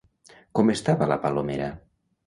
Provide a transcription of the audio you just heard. Com estava la Palomera?